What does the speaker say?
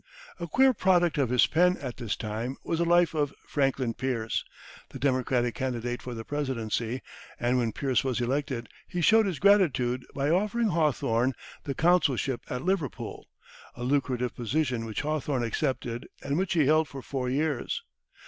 A queer product of his pen, at this time, was a life of Franklin Pierce, the Democratic candidate for the Presidency; and when Pierce was elected, he showed his gratitude by offering Hawthorne the consulship at Liverpool, a lucrative position which Hawthorne accepted and which he held for four years.